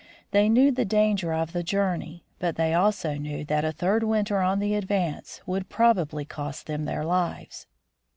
They knew the danger of the journey, but they also knew that a third winter on the Advance would probably cost them their lives.